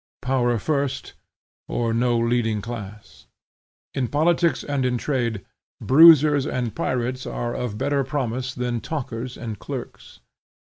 Power first, or no leading class. In politics and in trade, bruisers and pirates are of better promise than talkers and clerks.